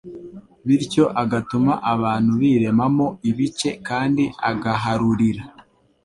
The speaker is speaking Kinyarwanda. bityo agatuma abantu birema mo ibice kandi agaharurira